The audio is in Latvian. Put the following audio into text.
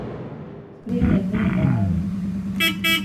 Skrieniet vien, bērni!